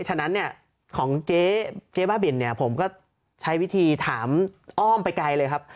ฉะนั้นเนี่ยของเจ๊บ้าบินเนี่ยผมก็ใช้วิธีถามอ้อมไปไกลเลยครับ